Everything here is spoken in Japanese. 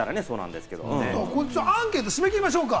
アンケート、締め切りましょう。